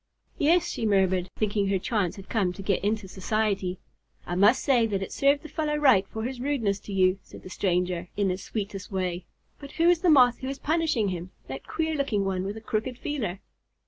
"Yes," she murmured, thinking her chance had come to get into society. "I must say that it served the fellow right for his rudeness to you," said the stranger, in his sweetest way; "but who is the Moth who is punishing him that queer looking one with a crooked feeler?"